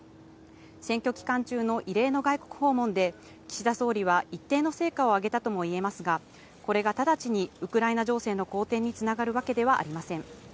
選挙期間中の異例の外国訪問で、岸田総理は一定の成果を上げたともいえますが、これが直ちにウクライナ情勢の好転につながるわけではありません。